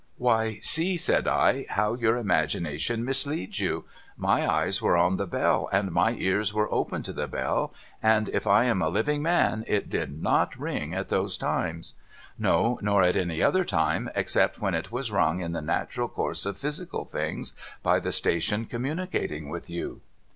'Why, see,' said I, 'how your imagination misleads you. My eyes were on the bell, and my cars were open to the bell, and if I am a living man, it did not ring at those times. No, nor at any other time, except when it was rung in the natural course of physical things by the station communicating with you.'